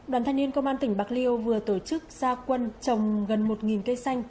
đoàn thanh niên công an tỉnh bạc liêu vừa tổ chức gia quân trồng gần một cây xanh